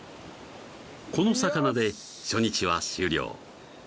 この魚で初日は終了